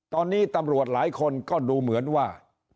ตอนนี้ตำรวจหลายคนก็ดูเหมือนว่า